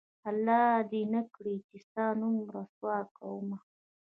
الله دې نه کړي چې ستا نوم رسوا کومه